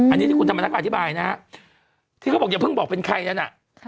อันนี้ที่คุณธรรมนัฐอธิบายนะฮะที่เขาบอกอย่าเพิ่งบอกเป็นใครนั้นน่ะ